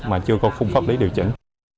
mà chưa có khung pháp lý điều chỉnh